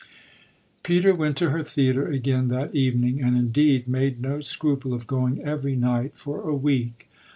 Peter went to her theatre again that evening and indeed made no scruple of going every night for a week.